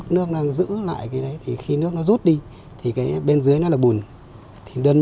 nước đang giữ lại thì khi nước nó rút đi thì bên dưới nó là bùn